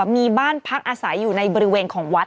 เมื่อ